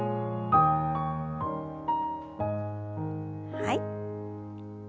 はい。